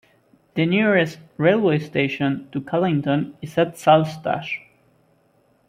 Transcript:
The nearest railway station to Callington is at Saltash.